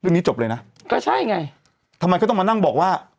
เรื่องนี้จบเลยน่ะก็ใช่ไงทำไมเขาต้องมานั่งบอกว่า